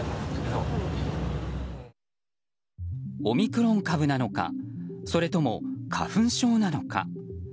オミクロン株なのかそれとも花粉症なのか。